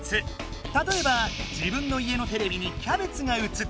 たとえば「自分の家のテレビにキャベツがうつっている」